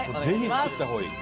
ぜひ作った方がいい。